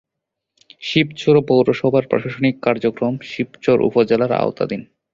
শিবচর পৌরসভার প্রশাসনিক কার্যক্রম শিবচর উপজেলার আওতাধীন।